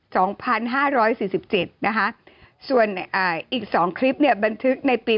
สองพันห้าร้อยสี่สิบเจ็ดนะคะส่วนอ่าอีกสองคลิปเนี่ยบันทึกในปี